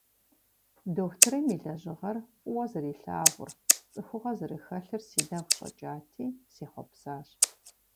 Дохутырым и лэжьыгъэр фӀыуэ зэрилъагъур, цӀыхугъэ зэрыхэлъыр си нэгу щӀэкӀати, сехъуэпсащ.